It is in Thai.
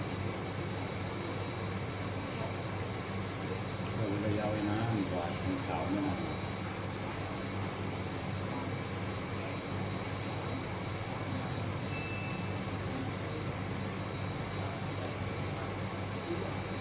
โปรดติดตามตอนต่อไป